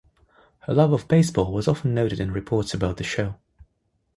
Her love of baseball was often noted in reports about the show.